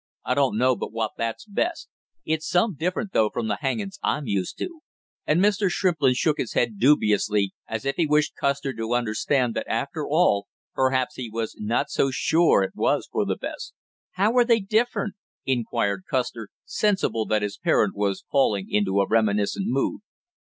I don't know but what that's best; it's some different though from the hangings I'm used to." And Mr. Shrimplin shook his head dubiously as if he wished Custer to understand that after all perhaps he was not so sure it was for the best. "How were they different?" inquired Custer, sensible that his parent was falling into a reminiscent mood.